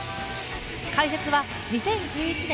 解説は２０１１年